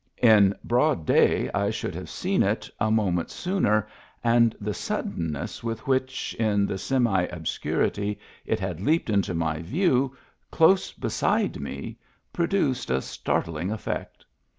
In broad day I should have seen it a moment sooner, and the suddenness with which, in the semi obscurity, it had leaped into my view close beside me produced a startling e£fect.